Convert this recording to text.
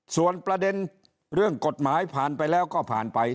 ส่วนประเด็นเรื่องกฎหมายผ่านไปแล้วก็ผ่านไป